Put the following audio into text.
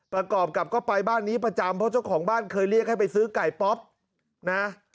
ประกอบกับก็ไปบ้านนี้ประจำเพราะเจ้าของบ้านเคยเรียกให้ไปซื้อไก่ป๊อปนะ